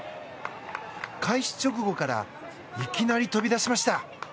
開始直後からいきなり飛び出しました。